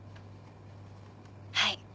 はい。